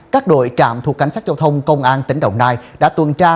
các đội trạm thuộc cảnh sát giao thông công an tỉnh đồng nai đã tuần tra